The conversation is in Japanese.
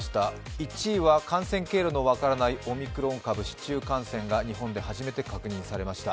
１位は感染経路の分からないオミクロン株、市中感染が日本で初めて確認されました。